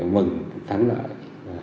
mình thắng lợi